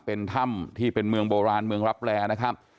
เป็นถ้ำที่เป็นเมืองโบราณเมืองรับแร่นะครับ